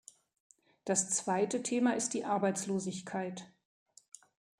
Das zweite Thema ist die Arbeitslosigkeit.